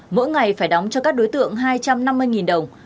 mỗi ngày phải đóng cho các đối tượng hai trăm năm mươi đồng